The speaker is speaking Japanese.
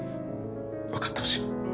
分かってほしい。